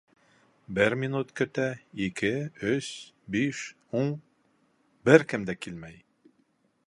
Бер минут көтә, ике, өс... биш... ун... бер кем дә килмәй.